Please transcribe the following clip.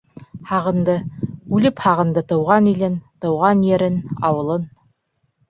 Һағынды, үлеп һағынды тыуған илен, тыуған ерен, ауылын.